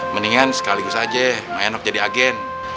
mendingan sekaligus aja mak enok jadi agen